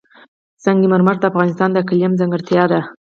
سنگ مرمر د افغانستان د اقلیم ځانګړتیا ده.